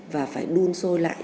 và phải đun xôi lạnh